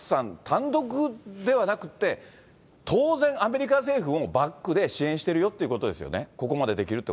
単独ではなくて、当然、アメリカ政府もバックで支援してるよってことですよね、